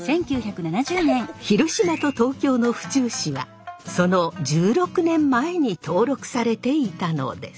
広島と東京の府中市はその１６年前に登録されていたのです。